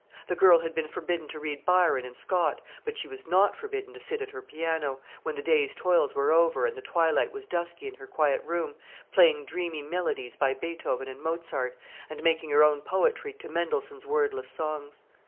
The girl had been forbidden to read Byron and Scott; but she was not forbidden to sit at her piano, when the day's toils were over, and the twilight was dusky in her quiet room, playing dreamy melodies by Beethoven and Mozart, and making her own poetry to Mendelssohn's wordless songs.